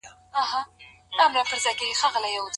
ايا هلک پخوا د نجلۍ کورنۍ ليدلې ده؟